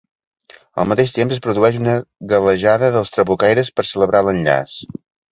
Al mateix temps es produeix una galejada dels Trabucaires per celebrar l'enllaç.